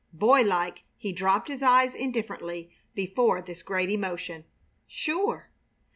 Boylike he dropped his eyes indifferently before this great emotion. "Sure!"